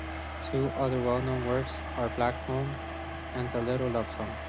Two other well-known works are "Back Home" and "A Little Love Song".